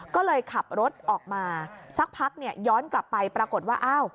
ก็เลยขับรถออกมาสักพักย้อนกลับไปปรากฏว่า